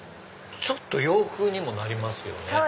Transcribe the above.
ちょっと洋風にもなりますよね。